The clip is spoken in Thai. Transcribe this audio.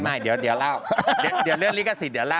ไม่เดี๋ยวเล่าเดี๋ยวเรื่องลิขสิทธิเดี๋ยวเล่า